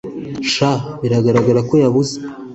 Sha biragaragara ko yabuze